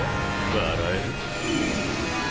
笑える。